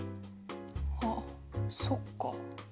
あっそっか。